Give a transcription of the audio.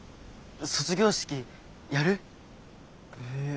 卒業式やる？ええ？